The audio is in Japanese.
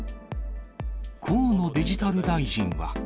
河野デジタル大臣は。